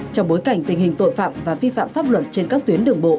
trong bối cảnh tình hình tội phạm và vi phạm pháp luật trên các tuyến đường bộ